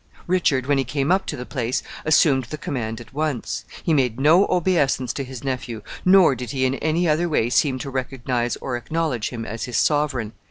Richard, when he came up to the place, assumed the command at once. He made no obeisance to his nephew, nor did he in any other way seem to recognize or acknowledge him as his sovereign.